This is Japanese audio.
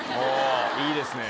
いいですね。